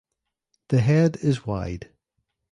The head is wide.